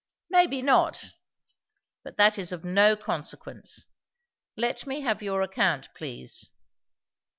"Maybe not. But that is of no consequence. Let me have your account, please."